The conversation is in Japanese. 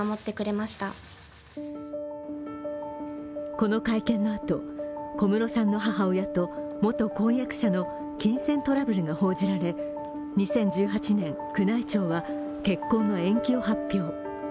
この会見のあと、小室さんの母親と元婚約者の金銭トラブルが報じられ、２０１８年宮内庁は結婚の延期を発表。